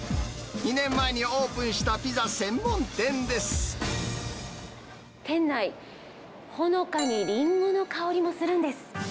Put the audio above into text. ２年前にオープンしたピザ専門店店内、ほのかにリンゴの香りもするんです。